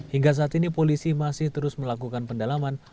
hingga saat ini polisi masih terus melakukan pendalaman